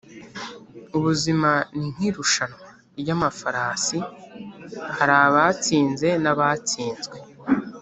ubuzima ni nkirushanwa ryamafarasi hari abatsinze nabatsinzwe